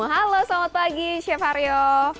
halo selamat pagi chef haryo